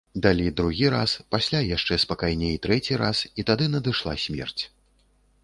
Далі другі раз, пасля яшчэ спакайней трэці раз, і тады надышла смерць.